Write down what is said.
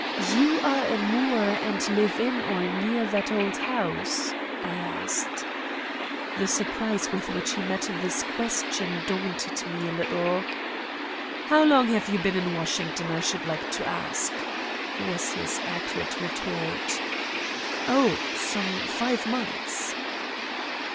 "You are a Moore and live in or near that old house?" I asked. The surprise with which he met this question daunted me a little. "How long have you been in Washington, I should like to ask?" was his acrid retort. "Oh, some five months."